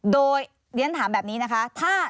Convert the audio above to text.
โดยเรียนถามแบบนี้นะคะ